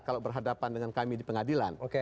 kalau berhadapan dengan kami di pengadilan